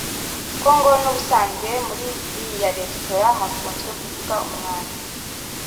kuko ngo n’ubusanzwe muri iriya resitora hakunze kuvugwa umwanda